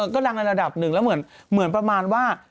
ก็ดังในระดับหนึ่งแล้วเหมือนประมาณว่า